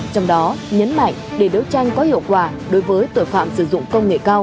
trong đó nhấn mạnh để đấu tranh có hiệu quả đối với tội phạm sử dụng công nghệ cao